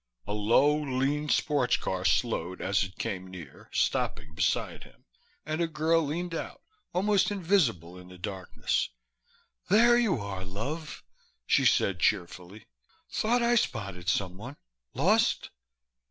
A low, lean sports car slowed as it came near, stopping beside him, and a girl leaned out, almost invisible in the darkness. "There you are, love," she said cheerfully. "Thought I spotted someone. Lost?"